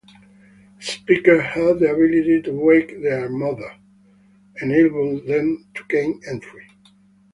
The speaker had the ability to wake their mother, enabling them to gain entry.